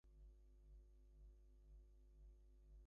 Unfortunately the whole work is not available.